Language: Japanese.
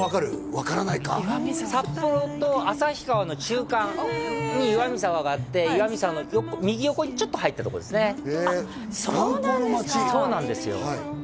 分からないか札幌と旭川の中間に岩見沢があって岩見沢の右横にちょっと入ったとこですねあっそうなんですか炭鉱の町そうなんですよ